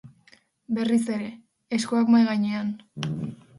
Berriz ere, eskuak mahai gainean.